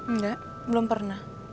enggak belum pernah